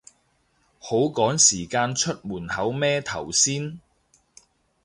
好趕時間出門口咩頭先